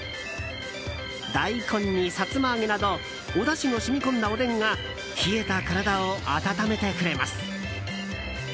大根に、さつま揚げなどおだしの染み込んだおでんが冷えた体を温めてくれます。